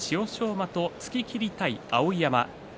馬と突ききりたい碧山。